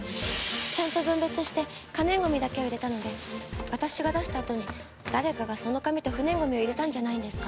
ちゃんと分別して可燃ゴミだけを入れたので私が出したあとに誰かがその紙と不燃ゴミを入れたんじゃないんですか？